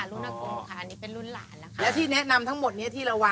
แล้วที่แนะนำทั้งหมดที่เราวางอยู่อะไรมาก